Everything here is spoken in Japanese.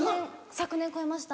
昨年超えました。